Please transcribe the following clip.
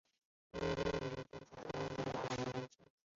因为他与一休宗纯间的往来而广为人知。